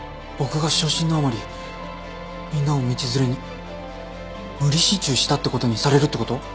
僕が傷心のあまりみんなを道連れに無理心中したってことにされるってこと？